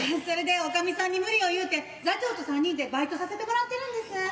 それで女将さんに無理を言うて座長と３人でバイトさせてもらってるんです。